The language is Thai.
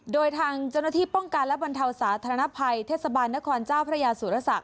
โดยทางเจ้าหน้าที่ป้องกันและบรรเทาสาธารณภัยเทศบาลนครเจ้าพระยาสุรศักดิ